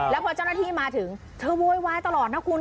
แล้วพอเจ้าหน้าที่มาถึงเธอโวยวายตลอดนะคุณ